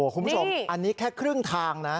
คุณผู้ชมอันนี้แค่ครึ่งทางนะ